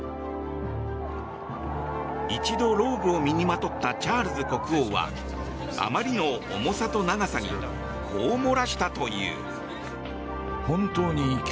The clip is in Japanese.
一度、ローブを身にまとったチャールズ国王はあまりの重さと長さにこう漏らしたという。